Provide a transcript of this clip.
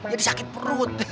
jadi sakit perut